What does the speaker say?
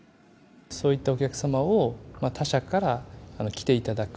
そういったお客様を他社から来ていただく。